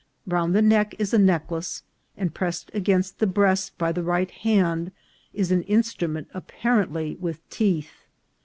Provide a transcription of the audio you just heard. Round the neck is a necklace, and pressed against the breast by the right hand is an instrument apparently with teeth.